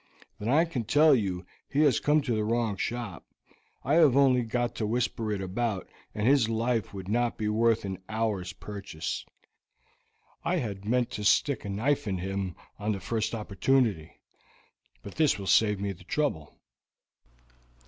"Then I can tell you he has come to the wrong shop. I have only got to whisper it about, and his life would not be worth an hour's purchase. I had meant to stick a knife in him on the first opportunity, but this will save me the trouble."